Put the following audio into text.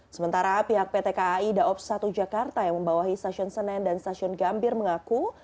sementara pihak pt kai daob satu jakarta yang membawahi stasiun senen dan stasiun gambir mengaku